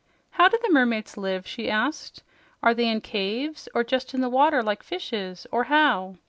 "How do the mermaids live?" she asked. "Are they in caves, or just in the water like fishes, or how?"